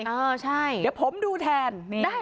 เดี๋ยวผมดูแทน